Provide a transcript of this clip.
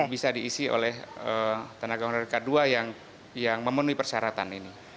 bisa diisi oleh tenaga honorer k dua yang memenuhi persyaratan ini